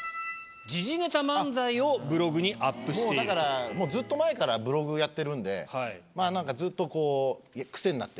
もうだからずっと前からブログやってるんでなんかずっとこう癖になって。